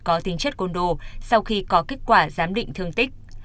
có tính chất côn đồ sau khi có kết quả giám định thương tích